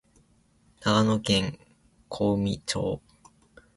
長野県小海町